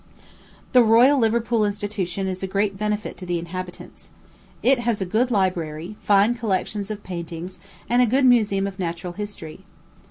The Royal Liverpool Institution is a great benefit to the inhabitants. It has a good library, fine collections of paintings, and a good museum of natural history.